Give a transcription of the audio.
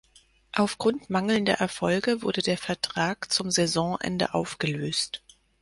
Aufgrund mangelnder Erfolge, wurde der Vertrag zum Saisonende aufgelöst.